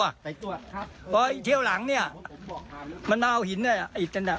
แต่ตัวครับเพราะที่เที่ยวหลังเนี้ยมันเอาหินน่ะไอ้เจนน่ะ